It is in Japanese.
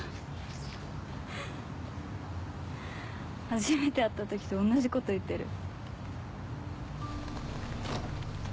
初めて会った時と同じこと言ってる。